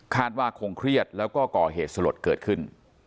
ว่าคงเครียดแล้วก็ก่อเหตุสลดเกิดขึ้น